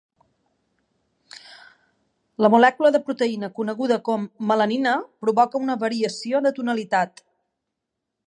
La molècula de proteïna coneguda com melanina provoca una variació de tonalitat.